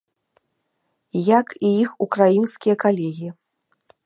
Як і іх украінскія калегі.